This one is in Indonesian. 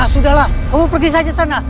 sudahlah kamu pergi saja sana